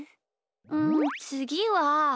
うんつぎは。